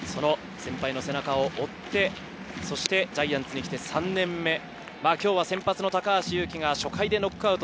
先輩の背中を追って、そしてジャイアンツに来て３年目、今日は先発の高橋優貴が初回でノックアウト。